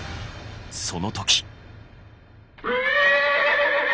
その時。